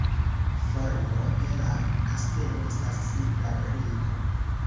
Formo de la kastelo estas simpla briko.